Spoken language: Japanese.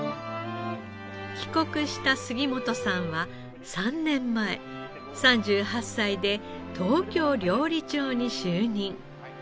帰国した杉本さんは３年前３８歳で東京料理長に就任。